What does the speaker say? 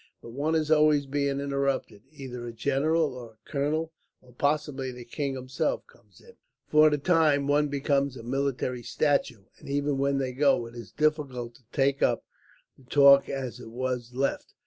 But one is always being interrupted; either a general, or a colonel, or possibly the king himself, comes in. "For the time, one becomes a military statue; and even when they go, it is difficult to take up the talk as it was left.